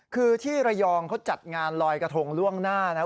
คือที่ระยองเขาจัดงานลอยกระทงล่วงหน้านะ